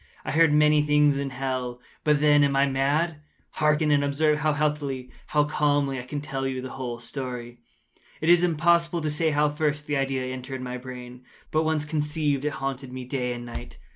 I heard many things in hell. How, then, am I mad? Hearken! and observe how healthily—how calmly I can tell you the whole story. It is impossible to say how first the idea entered my brain; but once conceived, it haunted me day and night.